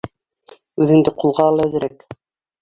Үҙеңде ҡулға ал әҙерәк.